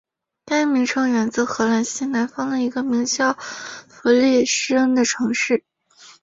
该名称源自荷兰西南方的一个名为弗利辛恩的城市。